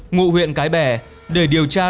ngụ huyện cái bè để điều tra